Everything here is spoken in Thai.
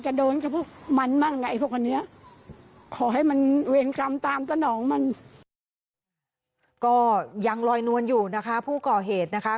ก็ยังลอยนวลอยู่นะคะผู้ก่อเหตุนะคะ